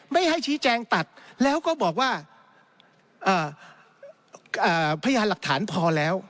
ไม่ให้ชี้แจงตัดแล้วก็บอกว่าพยานหลักฐานพอแล้ว